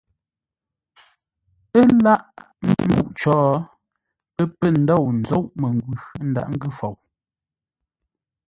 Ə́ láʼ mbə́ nguʼ cǒ, pə́ pə̂ ndôu ńzóʼ məngwʉ̂ ńdaghʼ ńgʉ́ fou.